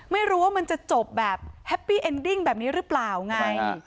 ไม่รู้ว่ามันจะจบแบบแฮปปี้เอ็นดิ้งแบบนี้หรือเปล่าไง